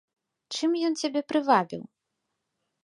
Чым ён цябе прывабіў?